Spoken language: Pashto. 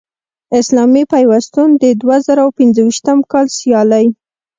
اسلامي پیوستون د دوه زره پنځویشتم کال سیالۍ